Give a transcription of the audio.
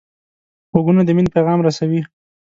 غوږونه د مینې پیغام رسوي